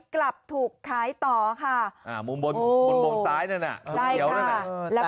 กลับถูกขายต่อค่ะอ่ามุมบนบนสายนั่นอ่ะใดแล้วก็